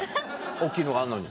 大っきいのがあんのに。